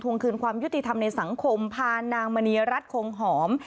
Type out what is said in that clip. คืนความยุติธรรมในสังคมพานางมณีรัฐคงหอม